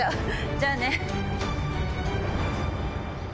じゃあね！